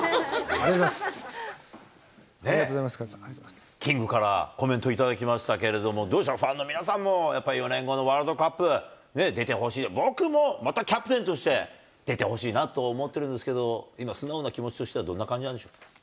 ありがとうございます、キングからコメント頂きましたけれども、どうでしょう、ファンの皆さんもやっぱり、４年後のワールドカップ、出てほしい、僕も、またキャプテンとして出てほしいなと思ってるんですけど、今、素直な気持ちとしては、どんな感じなんでしょう。